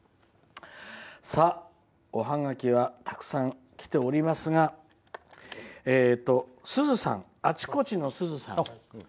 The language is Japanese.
おハガキはたくさん来ておりますがあちこちのすずさん。